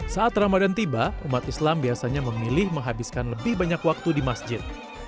saat ramadan tiba umat islam biasanya memilih menghabiskan lebih banyak waktu di masjid